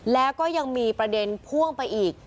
แล้วก็ยังมีประเด็นพ่วงไปอีก